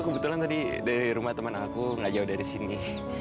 kebetulan tadi dari rumah teman aku nggak jauh dari sini